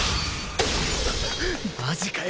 マジかよ！